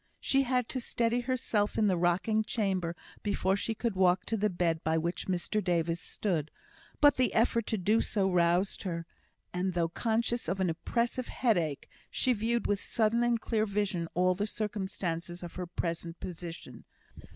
She had to steady herself in the rocking chamber before she could walk to the bed by which Mr Davis stood; but the effort to do so roused her, and, although conscious of an oppressive headache, she viewed with sudden and clear vision all the circumstances of her present position.